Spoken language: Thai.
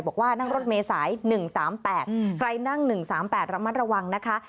บอกว่านั่งรถเมษาย๑๓๘ใครนั่ง๑๓๘ระมัดระวังนะคะ